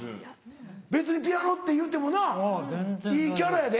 別にピアノって言ってもないいキャラやで。